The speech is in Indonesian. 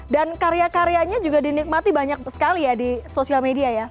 dan karya karyanya juga dinikmati banyak sekali ya di social media ya